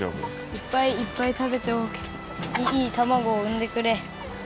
いっぱいいっぱいたべていいたまごをうんでくれ。